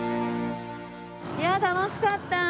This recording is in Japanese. いやあ楽しかった！